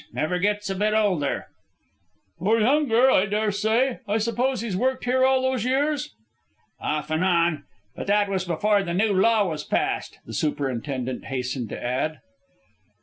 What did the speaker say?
Never gets a bit older." "Or younger, I dare say. I suppose he's worked here all those years?" "Off and on but that was before the new law was passed," the superintendent hastened to add.